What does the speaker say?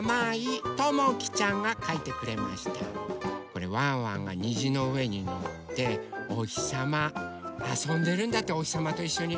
これワンワンがにじのうえにのっておひさまあそんでるんだっておひさまといっしょに。